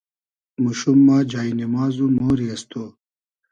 موشوم ما جای نیماز و مۉری از تو